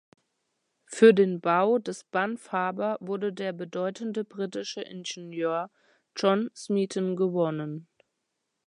Für den Bau des Banff Harbour wurde der bedeutende britische Ingenieur John Smeaton gewonnen.